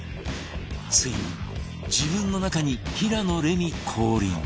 ついに自分の中に平野レミ降臨